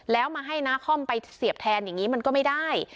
แล้วมาให้นาคอมไปเสียบแทนอย่างนี้มันก็ไม่ได้